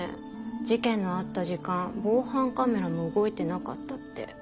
事件のあった時間防犯カメラも動いてなかったって。